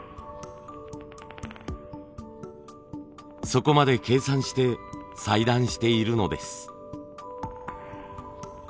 そこまで計算して裁断しているのです。